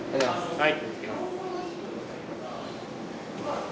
はい！